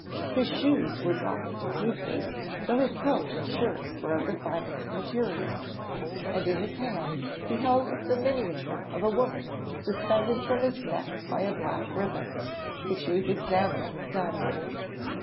His shoes were dropping to pieces though his coat and shirt were of the finest material, and in his hand he held the miniature of a woman suspended from his neck by a black ribbon, which he was examining sadly.